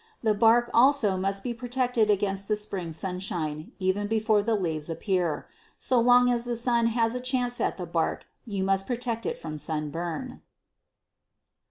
The bark also must be protected against the spring sunshine, even before the leaves appear. So long as the sun has a chance at the bark, you must protect it from sunburn.